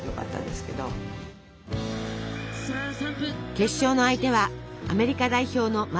決勝の相手はアメリカ代表のマルーリス選手。